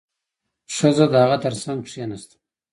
ښځه د هغه تر څنګ کېناسته.